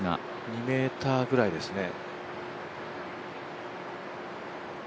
２ｍぐらいですね。